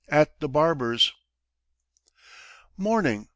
AT THE BARBER'S MORNING.